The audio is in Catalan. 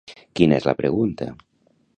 Quina és la pregunta?